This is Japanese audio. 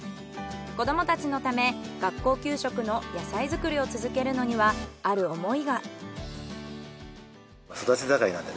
子どもたちのため学校給食の野菜作りを続けるのにはある思いが。